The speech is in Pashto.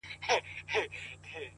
بيا دي ستني ډيري باندي ښخي کړې;